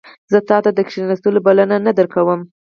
زه تا ته د کښیناستلو بلنه نه درکوم